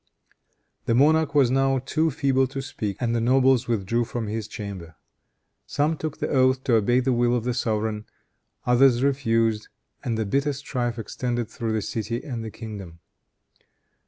The monarch was now too feeble to speak, and the nobles withdrew from his chamber. Some took the oath to obey the will of the sovereign, others refused, and the bitter strife extended through the city and the kingdom.